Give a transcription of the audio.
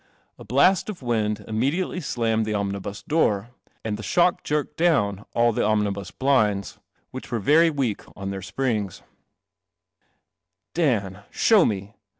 A blast <»i wind immediately slammed the omnibus door, and the sh< ck jerked down all the omnibus blinds, which were very weak on their sprinj M Dan ... Show me.